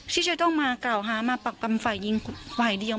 ที่จะต้องมากล่าวหามาปักปำฝ่ายหญิงฝ่ายเดียว